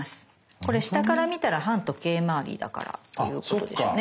これ下から見たら反時計まわりだからということでしょうね。